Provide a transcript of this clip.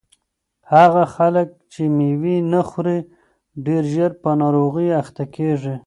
هغه خلک چې مېوې نه خوري ډېر ژر په ناروغیو اخته کیږي.